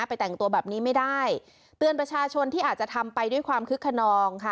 แต่งตัวแบบนี้ไม่ได้เตือนประชาชนที่อาจจะทำไปด้วยความคึกขนองค่ะ